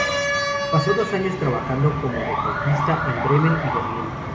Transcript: Pasó dos años trabajando como retratista en Bremen y Berlín.